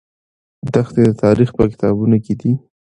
دښتې د تاریخ په کتابونو کې دي.